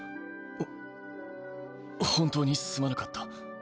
ほ本当にすまなかった。